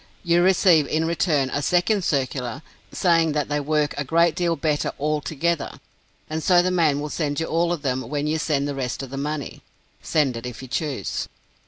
You receive in return a second circular, saying that they work a great deal better all together, and so the man will send you all of them when you send the rest of the money. Send it, if you choose!